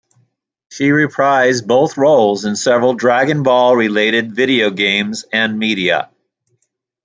She reprised both roles in several "Dragon Ball" related video games and media.